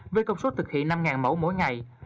với công suất thực hiện năm mẫu mỗi ngày